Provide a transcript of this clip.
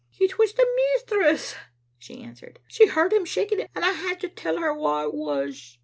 "It was the mistress," she answered. "She heard him shaking it, and I had to tell her wha it was.